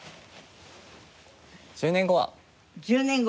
「１０年後は」。